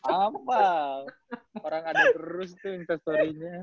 apal orang ada terus tuh instastorynya